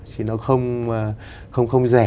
chỉ nó không rẻ